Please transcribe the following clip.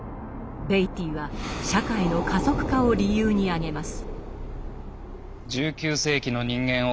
ベイティーは社会の加速化を理由に挙げます。